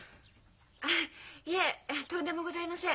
あっいえとんでもございません。